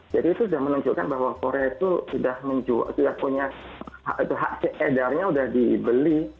jadi itu sudah menunjukkan bahwa korea itu sudah punya itu edarnya sudah dibeli